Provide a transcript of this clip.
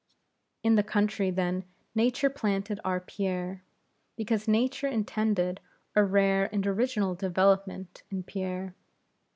In the country then Nature planted our Pierre; because Nature intended a rare and original development in Pierre.